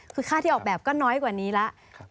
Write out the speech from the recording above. คือค่าที่ออกแบบก็น้อยกว่านี้แล้ว